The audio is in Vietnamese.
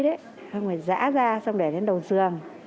xong rồi dã ra xong để lên đầu giường